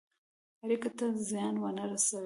اړېکو ته زیان ونه رسوي.